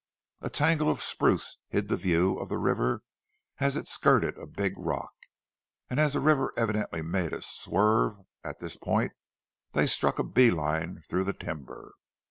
A tangle of spruce hid the view of the river as it skirted a big rock, and as the river evidently made a swerve at this point, they struck a bee line through the timber.